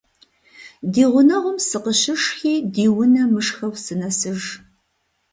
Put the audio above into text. Ди гъунэгъум сыкъыщышхи ди унэ мышхэу сынэсыж.